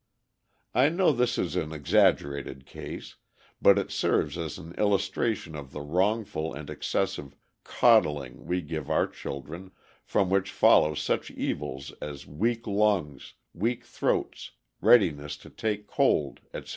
I know this is an exaggerated case, but it serves as an illustration of the wrongful and excessive "coddling" we give our children, from which follow such evils as weak lungs, weak throats, readiness to take cold, etc.